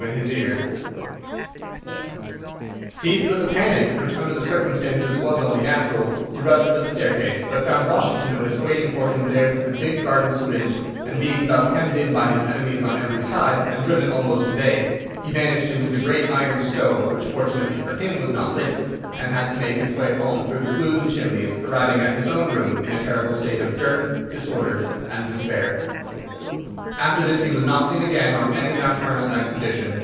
in his ear. [Illustration: "SUDDENLY THERE LEAPED OUT TWO FIGURES."] Seized with a panic, which, under the circumstances, was only natural, he rushed for the staircase, but found Washington Otis waiting for him there with the big garden syringe, and being thus hemmed in by his enemies on every side, and driven almost to bay, he vanished into the great iron stove, which, fortunately for him, was not lit, and had to make his way home through the flues and chimneys, arriving at his own room in a terrible state of dirt, disorder, and despair. After this he was not seen again on any nocturnal expedition.